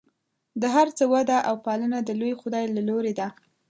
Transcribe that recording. د هر څه وده او پالنه د لوی خدای له لورې ده.